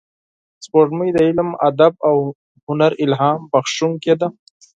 سپوږمۍ د علم، ادب او هنر الهام بخښونکې ده